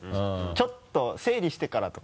ちょっと整理してからとか。